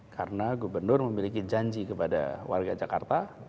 karena gubernur memiliki janji kepada warga jakarta